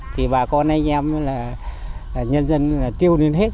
thì bà con anh em là nhân dân tiêu lên hết